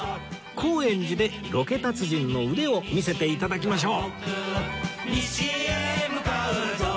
高円寺でロケ達人の腕を見せて頂きましょう